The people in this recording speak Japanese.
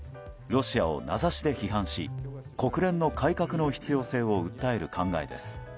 ロシアを名指しで批判し国連の改革の必要性を訴える考えです。